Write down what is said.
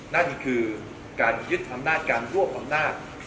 นั่นคือการยึดอำนาจการรวบอำนาจ